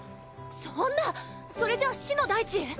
そんなそれじゃあ死の大地へ？